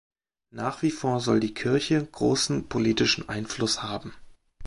Nach wie vor soll die Kirche großen politischen Einfluss haben.